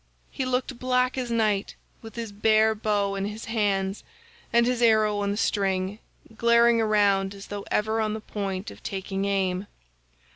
He looked black as night with his bare bow in his hands and his arrow on the string, glaring around as though ever on the point of taking aim.